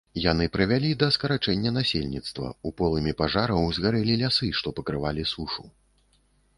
Яны прывялі да скарачэння насельніцтва, у полымі пажараў згарэлі лясы, што пакрывалі сушу.